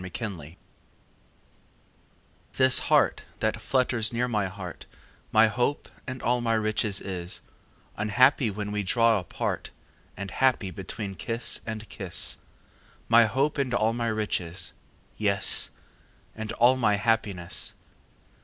XXIII This heart that flutters near my heart My hope and all my riches is, Unhappy when we draw apart And happy between kiss and kiss: My hope and all my riches yes! And all my happiness.